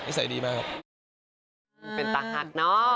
นิสัยดีมากครับ